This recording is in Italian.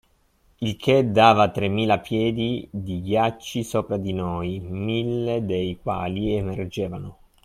Il che dava tremila piedi di ghiacci sopra di noi, mille dei quali emergevano.